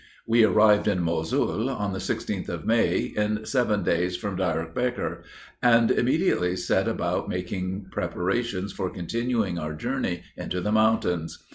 We arrived in Mosul on the 16th of May, in seven days from Diarbekr, and immediately set about making preparations for continuing our journey into the mountains.